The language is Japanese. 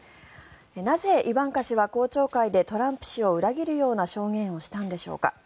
なぜイバンカ氏は公聴会でトランプ氏を裏切るような証言をしたんでしょうか。